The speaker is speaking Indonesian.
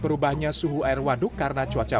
berubahnya suhu air waduk karena cuaca